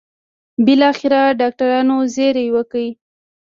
بالاخره ډاکټرانو زېری وکړ.